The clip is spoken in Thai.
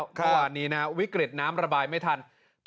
วันนี้นะวิกฤตน้ำระบายไม่ทัน